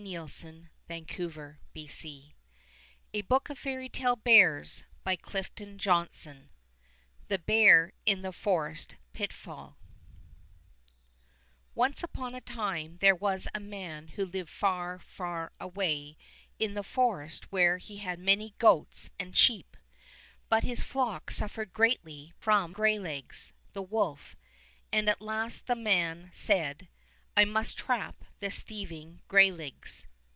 THE BEAR IN A FOREST PITFALL I I \ i \ t 4 »% 4 4 $ 1 i •♦ 0 I 4 f » 1 0 THE BEAR IN A FOREST PITFALL O NCE upon a time there was a man who lived far, far away in the forest where he had many goats and sheep. But his flock suffered greatly from Greylegs, the wolf, and at last the man said, "I must trap this thieving Greylegs."